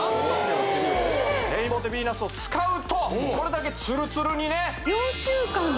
キレイレイボーテヴィーナスを使うとこれだけツルツルにね４週間で？